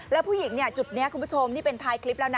แล้วผู้หญิงเนี่ยจุดนี้คุณผู้ชมนี่เป็นท้ายคลิปแล้วนะ